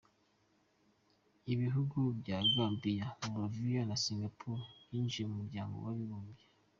Ibihugu bya Gambiya, Moldoviya, na Singapore byinjiye mu muryango w’abibumbye.